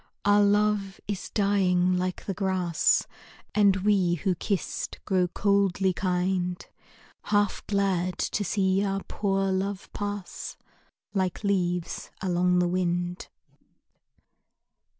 Our love is dying like the grass, And we who kissed grow coldly kind, Half glad to see our poor love pass Like leaves along the wind.